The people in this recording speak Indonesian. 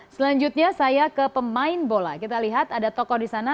selanjutnya saya ke pemain bola kita lihat ada tokoh di sana